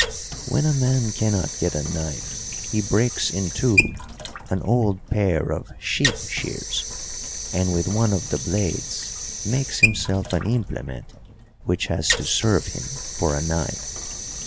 "When a man cannot get a knife, he breaks in two an old pair of sheep shears, and with one of the blades makes himself an implement which has to serve him for a knife.